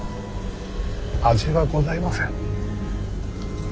味はございません。